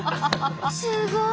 すごい！